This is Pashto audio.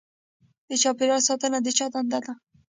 د چاپیریال ساتنه د چا دنده ده؟